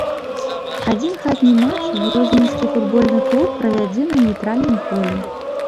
Адзін хатні матч грозненскі футбольны клуб правядзе на нейтральным полі.